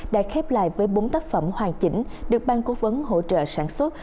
đã khép lại với bốn tác phẩm hoàn chỉnh được bang cố vấn hỗ trợ sản xuất